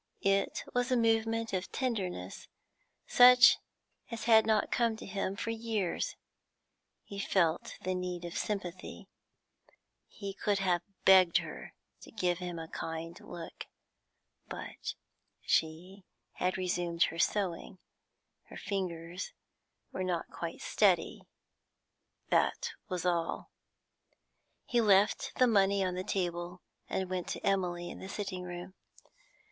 It was a movement of tenderness such as had not come to him for years; he felt the need of sympathy; he could have begged her to give him a kind look. But she had resumed her sewing; her fingers were not quite steady, that was all. He left the money on the table and went to Emily in the sitting room.